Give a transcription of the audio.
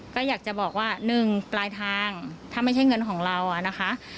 ก็อยากจะบอกว่า๑ปลายทางถ้าไม่ใช่เงินของเรานะคะ